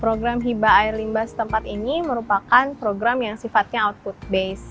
program hiba air limbah setempat ini merupakan program yang sifatnya output base